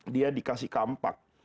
dia dikasih kampak